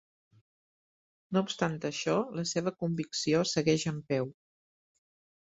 No obstant això, la seva convicció segueix en peu.